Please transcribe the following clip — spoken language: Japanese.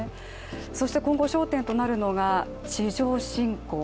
そして今後、焦点となるのが地上侵攻。